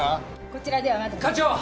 ・こちらではまだ課長！